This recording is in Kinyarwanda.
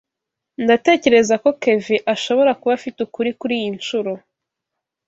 Ndatekereza ko Kevin ashobora kuba afite ukuri kuriyi nshuro.